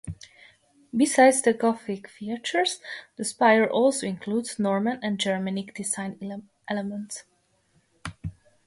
Besides the Gothic features, the spire also includes Norman and Germanic design elements.